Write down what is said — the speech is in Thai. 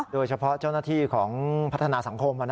โดยเฉพาะเจ้าหน้าที่ของพัฒนาสังคม